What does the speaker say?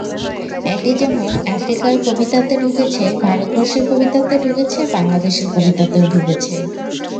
এটি যেমন আফ্রিকার কবিতাতে ঢুকেছে, ভারতবর্ষের কবিতাতে ঢুকেছে, বাংলাদেশের কবিতাতেও ঢুকেছে।